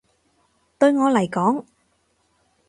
對我嚟講